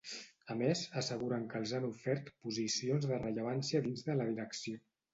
A més, asseguren que els han ofert posicions de rellevància dins de la direcció.